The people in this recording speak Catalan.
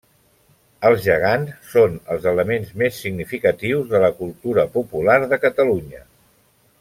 Els gegants són els elements més significatius de la cultura popular de Catalunya.